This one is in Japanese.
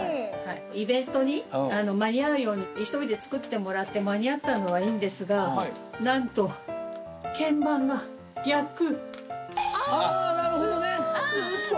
イベントに間に合うように急いで作ってもらって間に合ったのはいいんですがなんとああなるほどね向きがね。